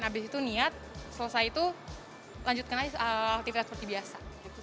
habis itu niat selesai itu lanjutkan aja aktivitas seperti biasa